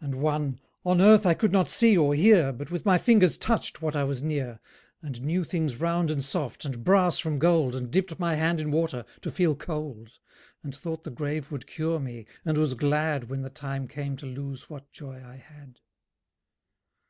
And one: "On earth I could not see or hear, But with my fingers touched what I was near, And knew things round and soft, and brass from gold, And dipped my hand in water, to feel cold, And thought the grave would cure me, and was glad When the time came to lose what joy I had."